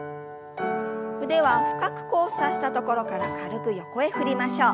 腕は深く交差したところから軽く横へ振りましょう。